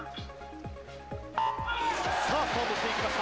スタートしていきました。